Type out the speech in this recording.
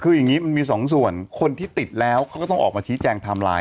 คืออย่างนี้มันมีสองส่วนคนที่ติดแล้วเขาก็ต้องออกมาชี้แจงไทม์ไลน์